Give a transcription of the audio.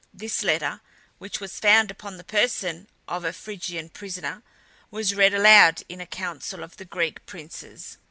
This letter, which was found upon the person of a Phrygian prisoner, was read aloud in a council of the Greek princes.